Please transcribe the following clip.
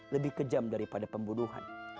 lebih kejam daripada pembunuhan